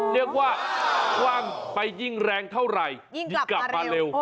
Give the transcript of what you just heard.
เรียกว่ากว้างไปยิ่งแรงเท่าไหร่ยิ่งกลับมาเร็ว